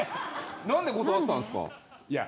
何で断ったんですか。